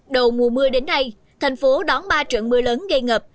đầu mùa mưa đến nay thành phố đón ba trận mưa lớn gây ngập